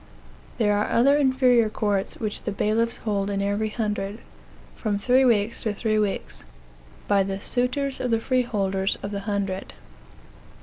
There are other inferior courts which the bailiffs hold in every hundred, from three weeks to three weeks, by the suitors of the freeholders of the hundred.